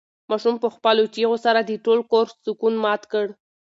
ماشوم په خپلو چیغو سره د ټول کور سکون مات کړ.